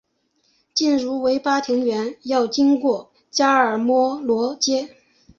进入维巴庭园要经过加尔默罗街。